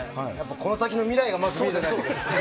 この先の未来がまず見えてないもんね。